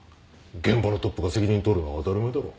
現場のトップが責任取るのは当たり前だろ。